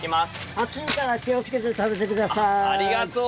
熱いから気をつけて食べてください。